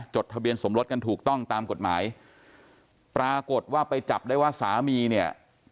ทะเบียนสมรสกันถูกต้องตามกฎหมายปรากฏว่าไปจับได้ว่าสามีเนี่ย